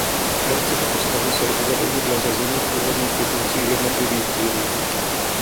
Herci a postavy jsou uvedeni dle řazení v úvodních titulcích jednotlivých dílů.